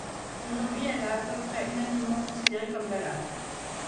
Aujourd'hui, elle est à peu près unanimement considérée comme valable.